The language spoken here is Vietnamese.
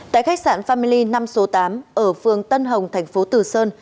tại khách sạn family năm số tám ở phương tân hồng thành phố từ sơn